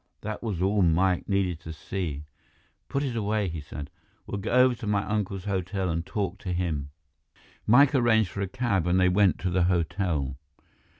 That was all Mike needed to see. "Put it away," he said. "We'll go over to my uncle's hotel and talk to him." Mike arranged for a cab, and they went to the hotel.